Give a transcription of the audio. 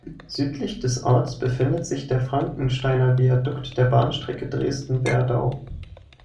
Südlich des Orts befindet sich der Frankensteiner Viadukt der Bahnstrecke Dresden–Werdau.